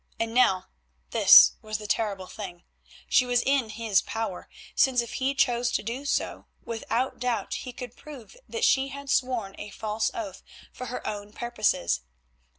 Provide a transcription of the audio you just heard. And now—this was the terrible thing—she was in his power, since if he chose to do so, without doubt he could prove that she had sworn a false oath for her own purposes.